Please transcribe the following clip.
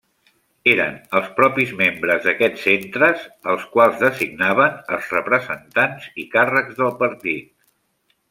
Eren els propis membres d'aquests centres els quals designaven als representants i càrrecs del partit.